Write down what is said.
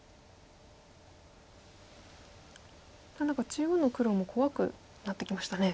中央の黒も怖くなってきましたね。